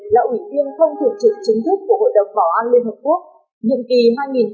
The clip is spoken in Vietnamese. là ủy tiên không thủ trực chính thức của hội đồng bảo an liên hợp quốc